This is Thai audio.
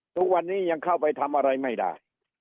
ทุกวันนี้ยังเข้าไปทำอะไรไม่ได้